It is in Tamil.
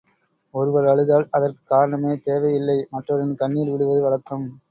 ஒருவர் அழுதால் அதற்குக் காரணமே தேவை இல்லை மற்றவர்கள் கண்ணிர் விடுவது வழக்கம்.